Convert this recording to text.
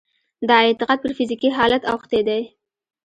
دا اعتقاد پر فزيکي حالت اوښتی دی.